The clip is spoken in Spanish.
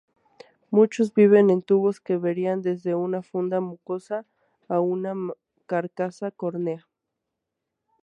Muchos viven en tubos que varían desde una funda mucosa a una carcasa córnea.